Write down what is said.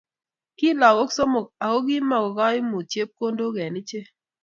Ki lagok somok ak kimako koimut chepkondok eng ichek